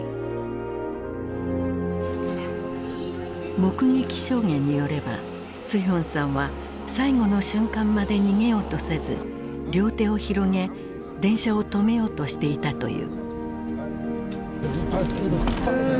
目撃証言によればスヒョンさんは最後の瞬間まで逃げようとせず両手を広げ電車を止めようとしていたという。